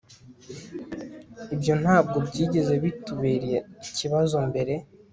Ibyo ntabwo byigeze bitubera ikibazo mbere